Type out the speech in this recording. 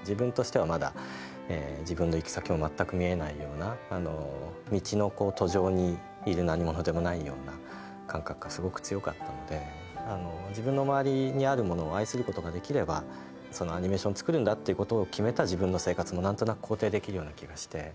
自分としてはまだ自分の行く先も全く見えないような道の途上にいる何者でもないような感覚がすごく強かったので自分の周りにあるものを愛することができればアニメーション作るんだってことを決めた自分の生活も何となく肯定できるような気がして。